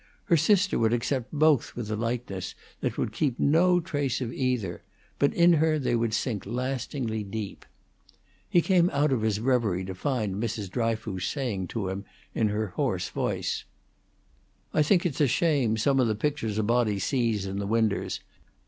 Her sister would accept both with a lightness that would keep no trace of either; but in her they would sink lastingly deep. He came out of his reverie to find Mrs. Dryfoos saying to him, in her hoarse voice: "I think it's a shame, some of the pictur's a body sees in the winders.